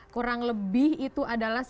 kurang lebih itu adalah dua ratus lima puluh ya